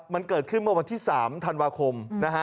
มันเกิดขึ้นเมื่อวันที่๓ธันวาคมนะฮะ